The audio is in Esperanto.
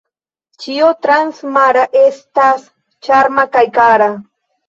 Ĉio transmara estas ĉarma kaj kara.